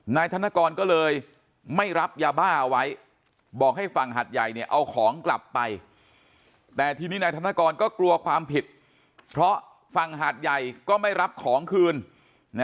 นายธนกรก็เลยไม่รับยาบ้าเอาไว้บอกให้ฝั่งหาดใหญ่เนี่ยเอาของกลับไปแต่ทีนี้นายธนกรก็กลัวความผิดเพราะฝั่งหาดใหญ่ก็ไม่รับของคืนนะ